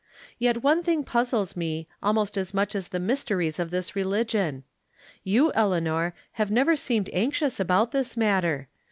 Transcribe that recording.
Yet one thing puzzles me almost as much as the mysteries of this religion. You, Eleanor, have never seemed anxious about this matter.